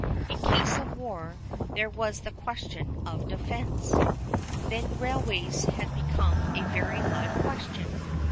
In case of war, there was the question of defense. Then railways had become a very live question.